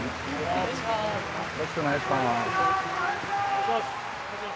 よろしくお願いします。